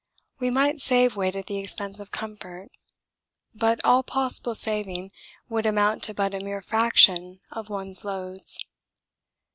We might save weight at the expense of comfort, but all possible saving would amount to but a mere fraction of one's loads.